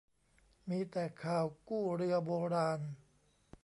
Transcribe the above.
มีแต่ข่าวกู้เรือโบราณ